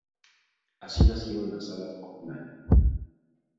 Así nacieron las salas off-line.